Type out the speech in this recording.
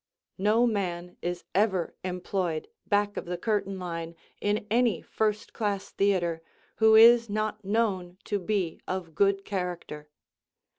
No man is ever employed back of the curtain line in any first class theatre who is not known to be of good character.